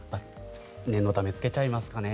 念のため着けちゃいますかね。